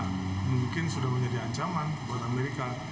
mungkin sudah menjadi ancaman buat amerika